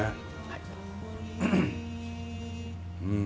うん。